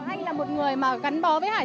anh là một người mà cắn bó với hải